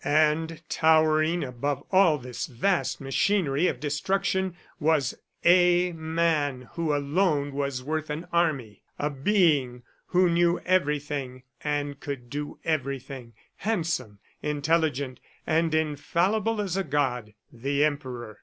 And towering above all this vast machinery of destruction was a man who alone was worth an army, a being who knew everything and could do everything, handsome, intelligent, and infallible as a god the Emperor.